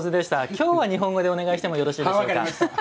今日は日本語でお願いしてもよろしいでしょうか？